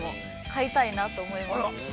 買いたいなと思います。